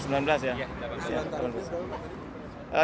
delapan belas dan sembilan belas ya